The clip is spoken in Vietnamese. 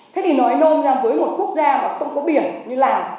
thế thì nói nôn ra với một quốc gia mà không có biển như lào